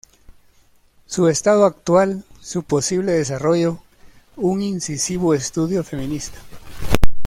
Su estado actual: su posible desarrollo", un incisivo estudio feminista.